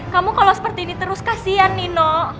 kamu kalau seperti ini terus kasihan nino